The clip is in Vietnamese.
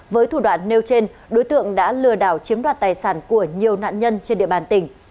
với thủ đoạn nêu trên đối tượng đã lừa đảo chiếm đoạt tài sản của nhiều nạn nhân trên địa bàn tỉnh